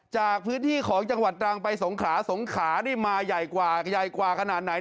จากพื้นที่ของจังหวัดตรังไปสงขลาสงขานี่มาใหญ่กว่าใหญ่กว่าขนาดไหน